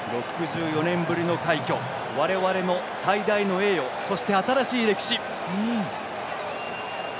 ６４年ぶりの快挙、我々の最大の栄誉そして、新しい歴史。